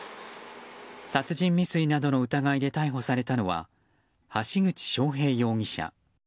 殺人未遂などの疑いで逮捕されたのは橋口詳平容疑者。